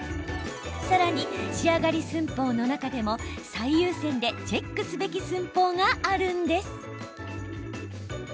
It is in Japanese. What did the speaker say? さらに、仕上がり寸法の中でも最優先でチェックすべき寸法があるんです。